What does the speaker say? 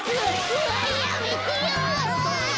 うわやめてよ！